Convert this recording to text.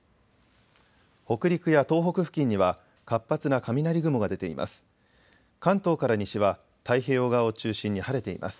北陸や東北付近には活発な雷雲が出ています。